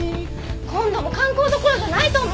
今度も観光どころじゃないと思うけど！